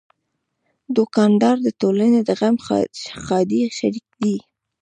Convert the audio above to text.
دوکاندار د ټولنې د غم ښادۍ شریک دی.